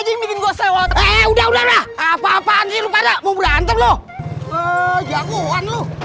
udah udah udah apa apaan ini lupa nak mau berantem loh jangkauan lu